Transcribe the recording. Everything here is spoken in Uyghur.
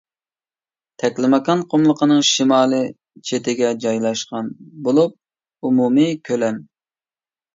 تەكلىماكان قۇملۇقىنىڭ شىمالىي چېتىگە جايلاشقان بولۇپ، ئومۇمىي كۆلەم.